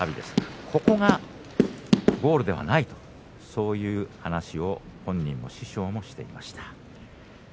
しかし、ここはゴールではないとそういう話を本人も師匠としていました。